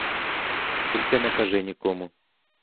Тільки не кажи нікому.